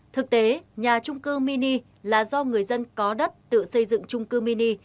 thực tế nhà trung cư mini là do người dân có đất tự xây dựng trung cư mini